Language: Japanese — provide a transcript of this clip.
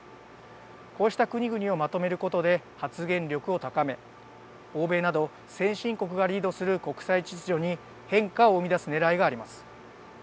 こうした国々をまとめることで発言力を高め欧米など先進国がリードする国際秩序に変化を生み出すねらいがあります。